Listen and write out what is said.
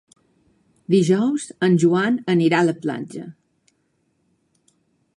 Dijous en Joan anirà a la platja.